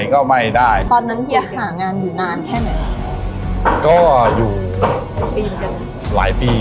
ก็อยู่อีกหลายปี